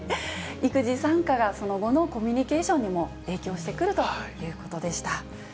育児参加が、その後のコミュニケーションにも影響してくるということでした。